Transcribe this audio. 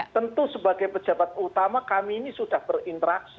tentu sebagai pejabat utama kami ini sudah berinteraksi